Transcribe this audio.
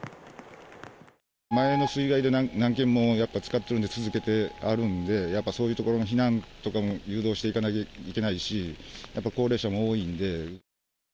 前の水害で何軒もやっぱつかってるんで、続けてあるんで、やっぱりそういうところの避難とかも誘導していかなきゃいけないし、やっぱ高齢者も多いんで。